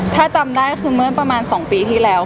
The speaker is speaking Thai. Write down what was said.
ถ้าจำได้คือเมื่อประมาณ๒ปีที่แล้ว